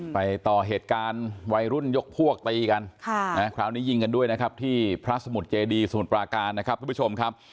ไปต่อเหตุการณ์วัยรุ่นยกพวกตีกันคราวนี้ยิงกันด้วยนะครับที่พระสมุทรเจดีสมุทรปราการนะครับทุกผู้ชมครับ